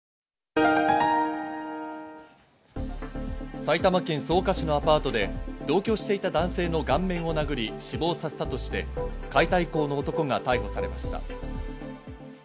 埼玉県草加市のアパートで同居していた男性の顔面を殴り死亡させたとして、解体工の男が逮捕されました。